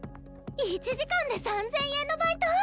１時間で３，０００円のバイト！？